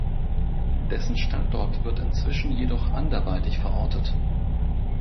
Dessen Standort wird inzwischen jedoch anderweitig verortet.